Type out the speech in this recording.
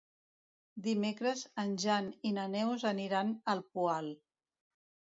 Dimecres en Jan i na Neus aniran al Poal.